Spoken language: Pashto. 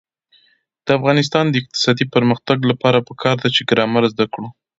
د افغانستان د اقتصادي پرمختګ لپاره پکار ده چې ګرامر زده کړو.